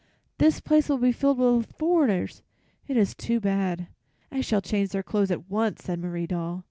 "This place will be filled with foreigners. It is too bad." "I shall change their clothes at once," said Marie Doll.